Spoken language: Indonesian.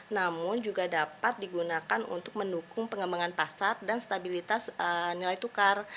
namun juga dapat digunakan untuk mendukung pengembangan pasar dan stabilitas nilai tukar